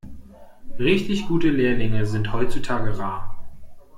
Richtig gute Lehrlinge sind heutzutage rar.